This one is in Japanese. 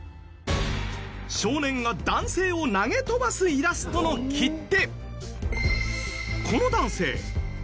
少年が男性を投げ飛ばすイラストの切手。